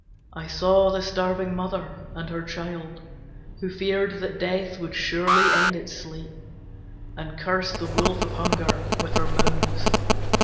I saw the starving mother and her child, Who feared that Death would surely end its sleep, And cursed the wolf of Hunger with her moans.